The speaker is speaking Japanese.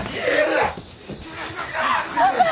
パパ。